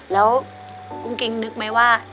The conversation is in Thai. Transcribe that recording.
แล้วกุ้งกิ๊งนึกไหมว่า